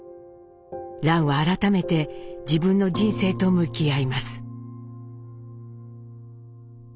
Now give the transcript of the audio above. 蘭は改めて自分の人生と向き合います。